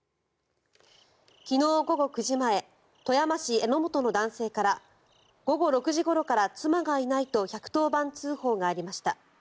昨日午後９時前富山市江本の男性から午後６時ごろから妻がいないと１１０番通報がありました。